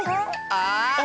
ああ！